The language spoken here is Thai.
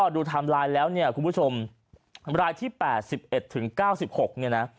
ดูไทม์ไลน์แล้วคุณผู้ชมรายที่๘๑ถึง๙๖